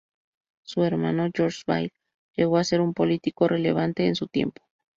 Su hermano, George Vail, llegó a ser un político relevante en su tiempo.